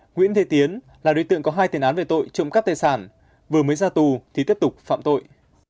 nguyễn thế tiến là đối tượng có hai tiền án về tội trộm cắp tài sản vừa mới ra tù thì tiếp tục phạm tội